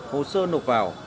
hồ sơ nộp vào